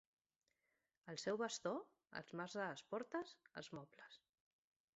El seu bastó, els marcs de les portes, els mobles.